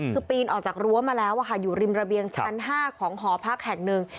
คือปีนออกจากรั้วมาแล้วอยู่ริมระเบียงชั้น๕ของหอพักแห่งหนึ่ง